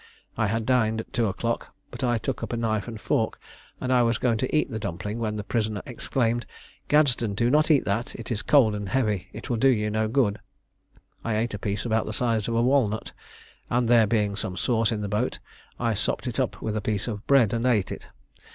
I had dined at two o'clock, but I took up a knife and fork, and was going to eat the dumpling, when the prisoner exclaimed, "Gadsden, do not eat that; it is cold and heavy; it will do you no good." I ate a piece about the size of a walnut, and there being some sauce in the boat, I sopped it up with a piece of bread and ate it.